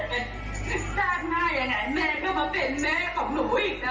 แม่มาเป็นแม่หนูไหมแม่ของหนูอีกค่ะ